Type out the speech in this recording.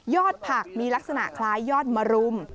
ผักมีลักษณะคล้ายยอดมรุม